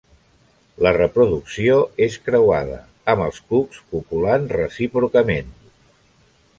La reproducció és creuada, amb els cucs copulant recíprocament.